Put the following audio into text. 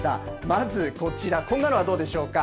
まずこちら、こんなのはどうでしょうか。